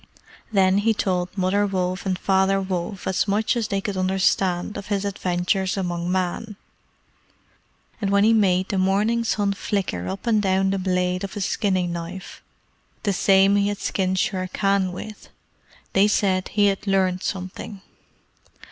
Then he told Mother Wolf and Father Wolf as much as they could understand of his adventures among men; and when he made the morning sun flicker up and down the blade of his skinning knife, the same he had skinned Shere Khan with, they said he had learned something.